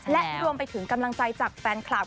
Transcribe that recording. และรวมไปถึงกำลังใจจากแฟนคลับ